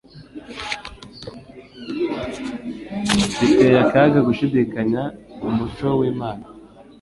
Biteye akaga gushidikanya Umucyo w'Imana,